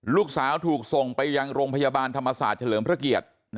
ลูกสาวถูกส่งไปยังโรงพยาบาลธรรมศาสตร์เฉลิมพระเกียรติ